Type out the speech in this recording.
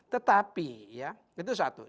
tetapi itu satu